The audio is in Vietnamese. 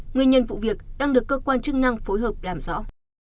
nguyên nhân vụ việc đang được cơ quan chức năng phối hợp làm rõ